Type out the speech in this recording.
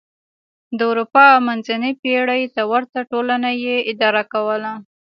د اروپا منځنۍ پېړۍ ته ورته ټولنه یې اداره کوله.